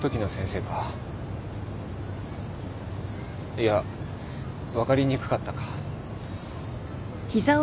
いや分かりにくかったか。